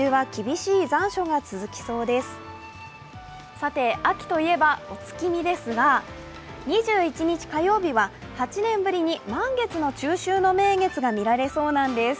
さて、秋といえばお月見ですが２１日火曜日は８年ぶりに満月の中秋の名月が見られそうなんです。